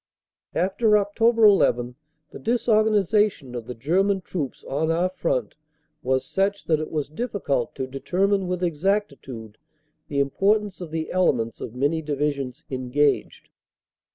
"After Oct. 1 1 the disorganisation of the German Troops on our front was such that it was difficult to determine with exactitude the importance of the elements of many Divisions engaged.